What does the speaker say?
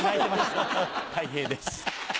たい平です。